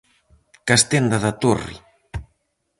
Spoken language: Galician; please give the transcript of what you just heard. Castenda da Torre.